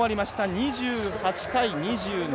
２８対２７。